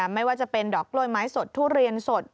ไม่ว่าจะเป็นดอกกล้วยไม้สดทุเรียนสด